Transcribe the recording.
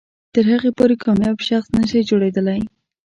تر هغې پورې کامیاب شخص نه شئ جوړېدلی.